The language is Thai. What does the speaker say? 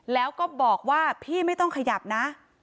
แล้วก็บอกว่าพี่ไม่ต้องขยับนะ